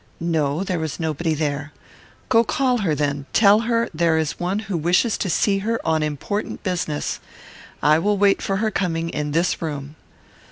No; there was nobody there. "Go call her, then. Tell her there is one who wishes to see her on important business. I will wait for her coming in this room."